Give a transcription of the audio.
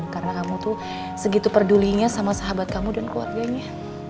karena kamu tuh segitu perdulinya sama sahabat kamu dan keluarganya